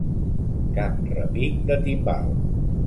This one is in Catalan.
Cap repic de timbal.